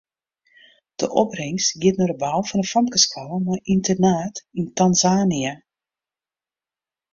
De opbringst giet nei de bou fan in famkesskoalle mei ynternaat yn Tanzania.